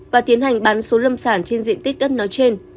và tiến hành bán số lâm sản trên diện tích đất nói trên